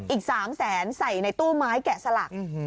อีก๓แสนใส่ในตู้ไม้แกะสลัก